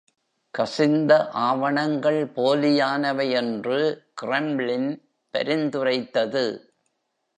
கசிந்த ஆவணங்கள் போலியானவை என்று கிரெம்ளின் பரிந்துரைத்தது.